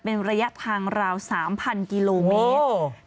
เป็นระยะทางราว๓๐๐กิโลเมตร